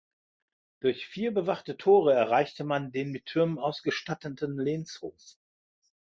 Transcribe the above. Durch vier bewachte Tore erreichte man den mit Türmen ausgestatteten Lehnshof.